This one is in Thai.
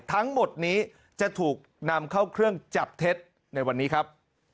ทั้งหมดนี้จะถูกนำเข้าเครื่องจับเท็จในวันนี้ครับ